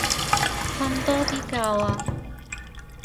瞓多啲覺啊